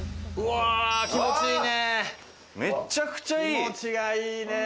気持ちいいね！